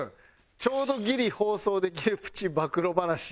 ちょうどギリ放送できるプチ暴露話。